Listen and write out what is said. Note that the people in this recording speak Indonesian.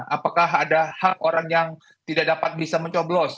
apakah ada hak orang yang tidak dapat bisa mencoblos